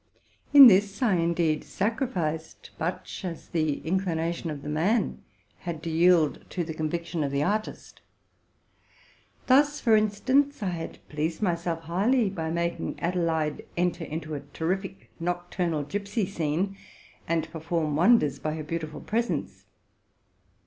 In this I indeed sacrificed much, as the inclination of the man had to yield to the conviction of the artist. Thus, for instance, I had pleased myself highly by making Adel heid enter in a terrific nocturnal gypsy scene, and perform wonders by her beautiful presence.